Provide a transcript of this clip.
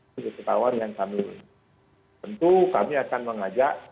jadi ini adalah kesempatan yang kami tentu kami akan mengajak